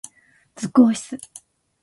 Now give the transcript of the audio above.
図工室